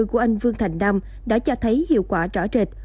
của anh vương thành nam đã cho thấy hiệu quả trở trệt